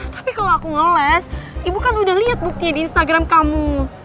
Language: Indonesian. tapi kalau aku ngeles ibu kan udah lihat buktinya di instagram kamu